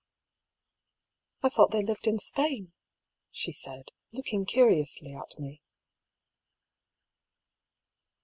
253 " I thought they lived in Spain ?" she said, looking curiously at me.